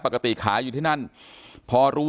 การแก้เคล็ดบางอย่างแค่นั้นเอง